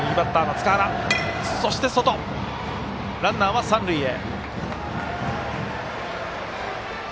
ランナーは三塁へ。